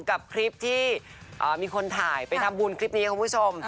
กับคลิปที่มีคนถ่ายไปทำบุญคลิปนี้คุณผู้ชม